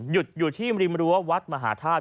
อยู่ที่ริมรั้ววัดมหาธาตุ